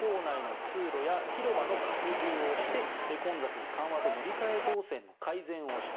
更に駅構内の通路や広場の拡充をして混雑の緩和や乗り換え動線の改善をした。